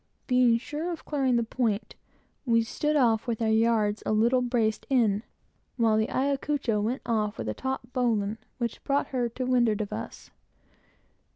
Being sure of clearing the point, we stood off with our yards a little braced in, while the Ayacucho went off with a taut bowline, which brought her to windward of us.